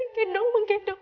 paling gedung menggeduk